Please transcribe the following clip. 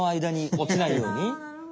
おちないように？